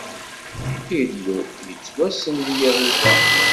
Illu yettwassen di Yahuda.